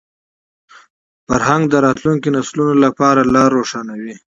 فرهنګ د راتلونکو نسلونو لپاره لاره روښانوي.